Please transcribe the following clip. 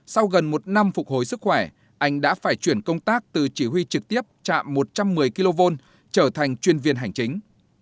sau gần một năm phục hồi sức khỏe anh đã phải chuyển công tác từ chỉ huy trực tiếp trạm một trăm một mươi kv trở thành chuyên viên hành chính